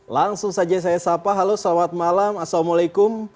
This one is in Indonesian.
langsung saja saya sapa halo selamat malam assalamualaikum